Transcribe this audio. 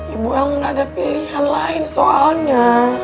ibu emang gak ada pilihan lain soalnya